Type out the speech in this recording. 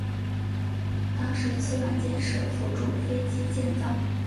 当时此软件是辅助飞机建造。